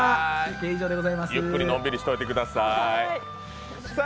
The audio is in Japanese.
ゆっくりのんびりしておいてください。